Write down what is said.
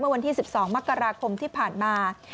วันที่๑๒มกราคมที่ผ่านมา